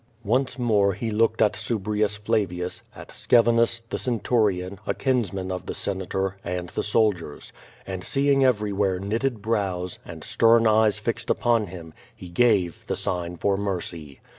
()nce more he looked at Subrius Flavins, at Scevinus, the centurion, a kinsman of the Senator, at the soldiers; and, seeing everywhere knitted brows, and stern eyes fixed upon him, he gave the sign for mercy.